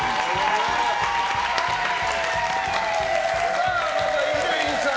さあ、まずは伊集院さん。